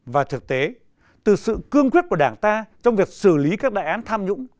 và thực tế từ sự cương quyết của đảng ta trong việc xử lý các đại án tham nhũng